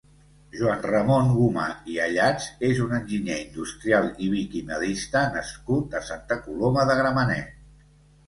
Joan Ramon Gomà i Ayats és un enginyer industrial i viquimedista nascut a Santa Coloma de Gramenet.